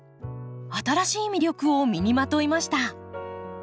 新しい魅力を身にまといました。